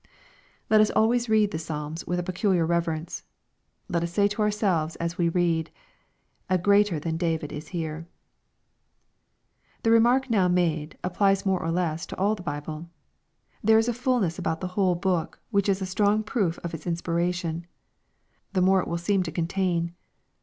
Let us always read the Psalms with a peculiar reverence. Let us say to ourselves as we read, " A greater than David is here." The remark now made, applies raore or less to all the Bible. There is a fulness about the whole Book, which is a strong proof of its inspiration. The more we read it, the more it will seem to contain.